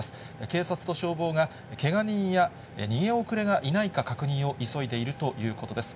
警察と消防がけが人や逃げ遅れがいないか確認を急いでいるということです。